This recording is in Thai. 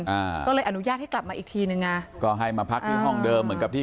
อ่าก็เลยอนุญาตให้กลับมาอีกทีนึงไงก็ให้มาพักที่ห้องเดิมเหมือนกับที่